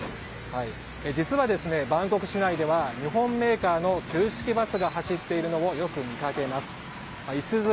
実は、バンコク市内では日本メーカーの旧式バスが走っているのをよく見かけます。